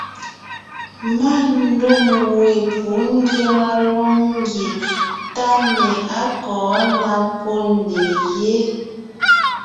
Má ndûm we pû ngyáŋa lóŋ ńgie táne á kɔ̌ ná pó nè yé.